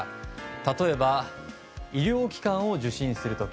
例えば医療機関を受診する時。